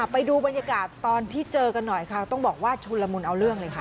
ไปดูบรรยากาศตอนที่เจอกันหน่อยค่ะต้องบอกว่าชุนละมุนเอาเรื่องเลยค่ะ